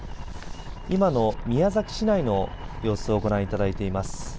今の宮崎市内の様子をご覧いただいています。